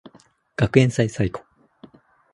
学園祭最後